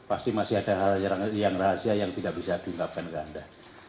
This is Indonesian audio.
ada hal hal yang rahasia yang tidak bisa diungkapkan ke anda